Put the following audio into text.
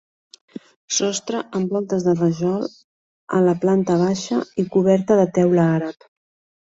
Sostre amb voltes de rajol a la planta baixa i coberta de teula àrab.